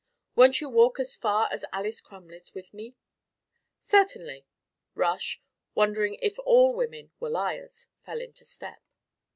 Won't you walk as far as Alys Crumley's with me?" "Certainly!" Rush, wondering if all women were liars, fell into step.